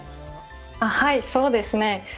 はい、そうですね。